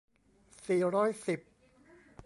สี่ร้อยสิบ